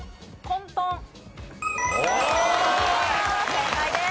正解です。